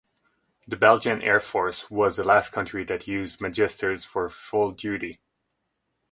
The Belgian Air Force was the last country that used Magisters for full duty.